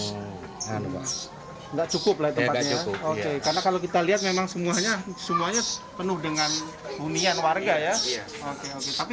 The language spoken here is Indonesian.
enggak cukup lagi karena kalau kita lihat memang semuanya semuanya penuh dengan unian warga ya tapi